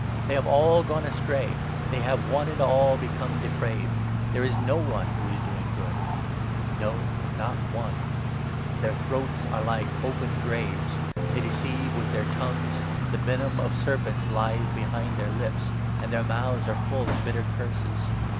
1 1 They have all gone astray ; they have one and all become 12 depraved ; There is no one who is doing good — no, not one !'' Their throats are like opened graves ; 13 They deceive with their tongues.' ' The venom of serpents lies behind their lips,' ' And their mouths are full of bitter curses.'